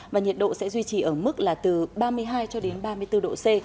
và nhiệt độ sẽ duy trì ở mức là từ ba mươi hai cho đến ba mươi bốn độ c